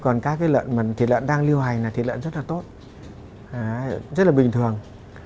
còn các thịt lợn đang lưu hành là thịt lợn rất là tốt rất là bình thường